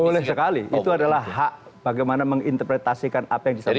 boleh sekali itu adalah hak bagaimana menginterpretasikan apa yang disampaikan